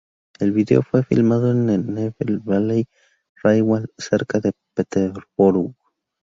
El video fue filmado en Nene Valley Railway cerca de Peterborough.